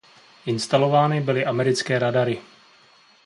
Instalovány byly americké radary.